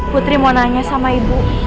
putri mau nanya sama ibu